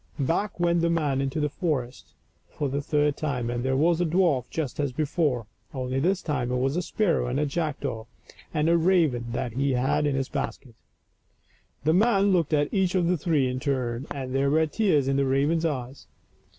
Back went the man into the forest for the third time, and there was the dwarf just as before, only this time it was a sparrow and a jackdaw and a raven that he had in his basket. The man looked at each of the three in turn, and there were tears in the raven's eyes.